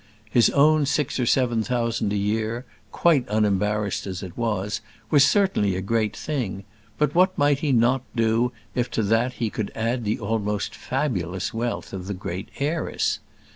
His own six or seven thousand a year, quite unembarrassed as it was, was certainly a great thing; but what might he not do if to that he could add the almost fabulous wealth of the great heiress?